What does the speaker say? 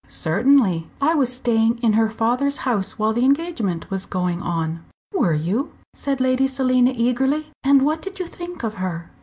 "Certainly. I was staying in her father's house while the engagement was going on." "Were you!" said Lady Selina, eagerly, "and what did you think of her?"